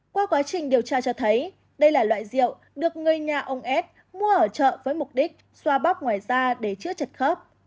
qua quá trình điều tra cho thấy đây là loại rượu được người nhà ông ết mua ở chợ với mục đích xoa bóp ngoài da để chữa chật khớp